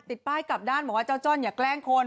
ติดป้ายกลับด้านบอกว่าเจ้าจ้อนอย่าแกล้งคน